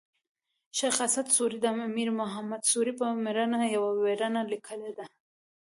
شېخ اسعد سوري د امیر محمد سوري پر مړینه یوه ویرنه لیکلې ده.